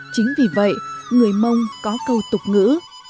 chính vì vậy người mông có câu tục ngữ